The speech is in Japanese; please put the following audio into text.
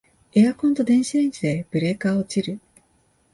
エアコンと電子レンジでブレーカー落ちる